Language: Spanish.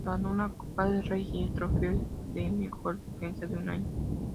Ganó una Copa del Rey y el trofeo de mejor defensa de un año.